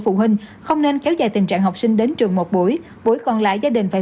phụ huynh không nên kéo dài tình trạng học sinh đến trường một buổi buổi còn lại gia đình phải